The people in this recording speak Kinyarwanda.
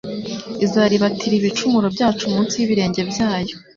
izaribatira ibicumuro byacu munsi y'ibirenge byayo